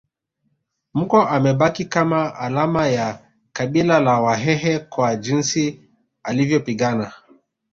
Mkwa amebaki kama alama ya kabila la Wahehe kwa jinsi alivyopigana